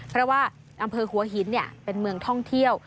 เพราะว่าอำเภอหัวหินเป็นเมืองท่องเที่ยว